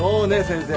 先生。